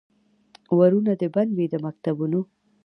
ورونه دي بند وي د مکتبونو